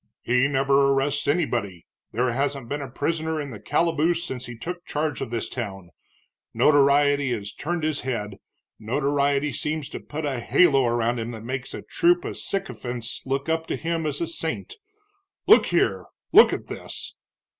"He never arrests anybody, there hasn't been a prisoner in the calaboose since he took charge of this town. Notoriety has turned his head, notoriety seems to put a halo around him that makes a troop of sycophants look up to him as a saint. Look here look at this!"